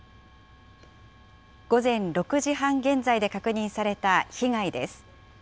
午前６時半現在で確認された被害です。